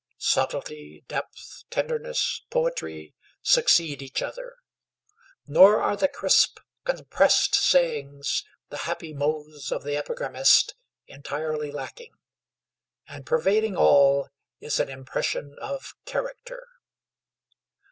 Subtlety, depth, tenderness, poetry, succeed each other; nor are the crisp, compressed sayings, the happy mots of the epigrammatist, entirely lacking. And pervading all is an impression of character.